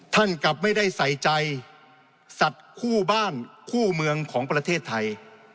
กลับไม่ได้ใส่ใจสัตว์คู่บ้านคู่เมืองของประเทศไทย